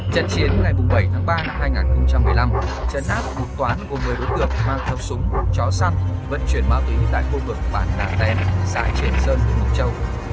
trận chiến ngày bảy tháng ba năm hai nghìn một mươi năm trấn áp bục toán của người đối tượng mang theo súng chó săn vận chuyển máu tí tại khu vực bản đà tên xã triển sơn nguyễn châu